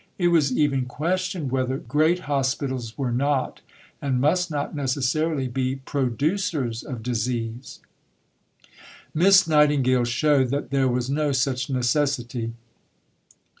It was even questioned whether great hospitals were not, and must not necessarily be, producers of disease. Miss Nightingale showed that there was no such necessity.